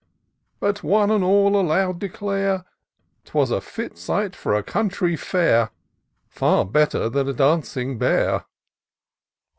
But, one and all, aloud declare, 'Twas a fit sight for country fair; Far better than a dancing bear.